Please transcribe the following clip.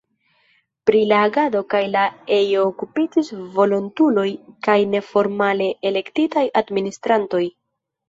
Pri la agado kaj la ejo okupiĝis volontuloj kaj neformale elektitaj administrantoj.